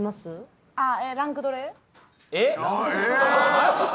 マジかよ！